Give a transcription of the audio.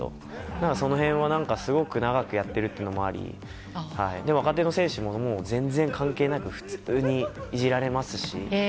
なのでその辺はすごく長くやってるっていうのもあり若手の選手も全然関係なく普通にいじられますし。